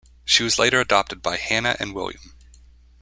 She was later adopted by Hannah and William.